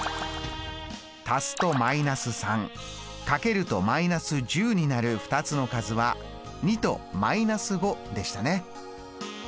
足すと−３かけると−１０になる２つの数は２と−５でしたね。